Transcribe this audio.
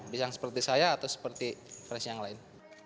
bisa yang seperti saya atau seperti fresh yang lain